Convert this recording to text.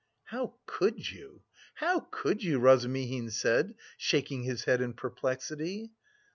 "How could you how could you!" Razumihin said, shaking his head in perplexity.